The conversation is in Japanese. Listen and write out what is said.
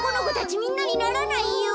みんなにならないよ。